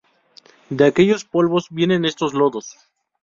De aquellos polvos vienen estos lodos